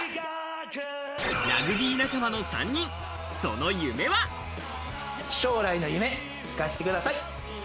ラグビー仲間の３人、その夢将来の夢を聞かしてください。